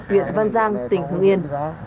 huyện văn giang tỉnh hương yên